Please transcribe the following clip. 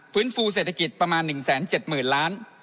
ฟูเศรษฐกิจประมาณ๑๗๐๐๐ล้าน